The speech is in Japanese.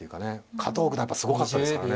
加藤九段はやっぱりすごかったですからね。